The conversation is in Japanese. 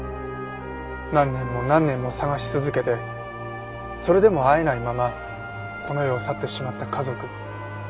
何年も何年も捜し続けてそれでも会えないままこの世を去ってしまった家族。